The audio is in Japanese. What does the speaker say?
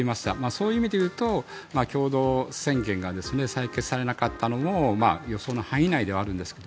そういう意味でいうと共同宣言が採決されなかったのも予想の範囲内ではあるんですが。